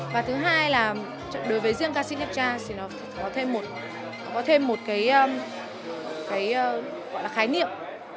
và thứ hai là đối với riêng ca sĩ nhạc gia thì nó có thêm một cái khái niệm